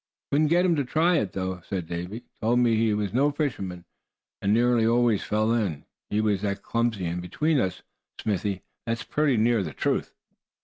"Couldn't get him to try it, though," said Davy. "Told me he was no fisherman, and nearly always fell in, he was that clumsy. And between us, Smithy, that's pretty near the truth."